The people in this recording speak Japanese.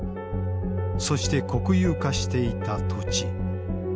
そして国有化していた土地。